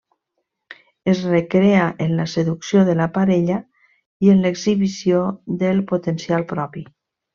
Es recrea en la seducció de la parella i en l'exhibició del potencial propi.